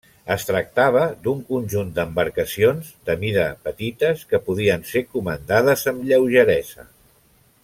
Es tractava d'un conjunt d'embarcacions de mida petites que podien ser comandades amb lleugeresa.